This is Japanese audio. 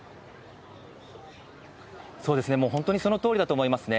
そうですね、もう本当にそのとおりだと思いますね。